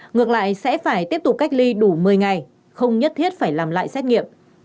ngược lại sẽ phải tiếp tục cách ly đủ một mươi ngày không nhất thiết phải làm lại xét nghiệm